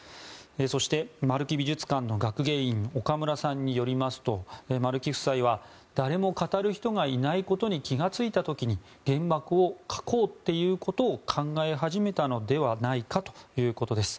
そして丸木美術館の学芸員の岡村さんによりますと丸木夫妻は誰も語る人がいないことに気が付いた時に原爆を描こうということを考え始めたのではないかということです。